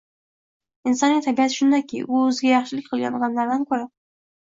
Insonning tabiati shundayki, u o‘ziga yaxshilik qilgan odamdan ko‘ra